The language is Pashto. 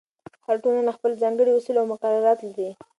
هر ټولنه خپل ځانګړي اصول او مقررات لري.